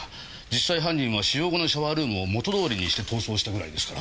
実際犯人は使用後のシャワールームを元通りにして逃走したぐらいですから。